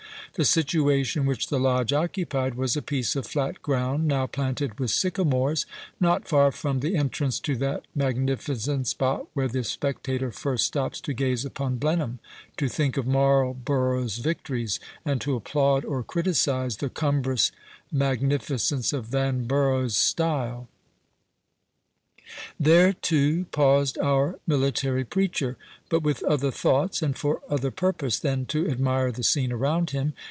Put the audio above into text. The situation which the Lodge occupied was a piece of flat ground, now planted with sycamores, not far from the entrance to that magnificent spot where the spectator first stops to gaze upon Blenheim, to think of Marlborough's victories, and to applaud or criticise the cumbrous magnificence of Vanburgh's style. There, too, paused our military preacher, but with other thoughts, and for other purpose, than to admire the scene around him.